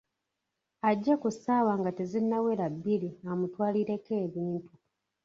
Ajje ku ssaawa nga tezinnawera bbiri amutwalireko ebintu.